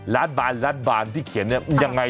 รัฐบาลรัฐบาลที่เขียนเนี่ยยังไง